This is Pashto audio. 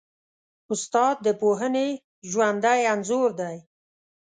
استاد د پوهنې ژوندی انځور دی.